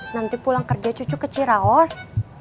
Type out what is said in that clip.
nanti pulang kerja cucu ke ciraos